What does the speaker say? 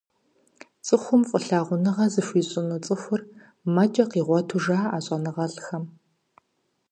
Цӏыхум фӏылъагъуныгъэ зыхуищӏыну цӏыхур, мэкӏэ къигъуэту жаӏэ щӏэныгъэлӏхэм.